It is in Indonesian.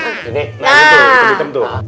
coba tadi mata sebelah bawah